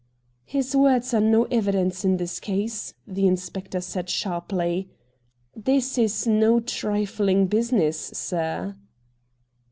' His words are no e\'idence in this case,' the inspector said sharply. ' This is no trifling business, sir.'